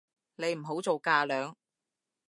你唔好做架樑